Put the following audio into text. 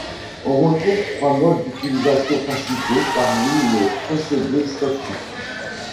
On retrouve trois modes d’utilisation principaux parmi les procédés statiques.